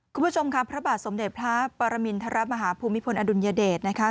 คุณผู้ชมค่ะพระบาทสมเด็จพระปรมินทรมาฮภูมิพลอดุลยเดชนะคะ